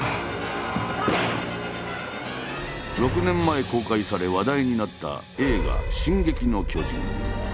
６年前公開され話題になった映画「進撃の巨人」。